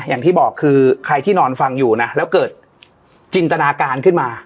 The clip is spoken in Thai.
อย่างที่บอกคือใครที่นอนฟังอยู่นะแล้วเกิดจินตนาการขึ้นมา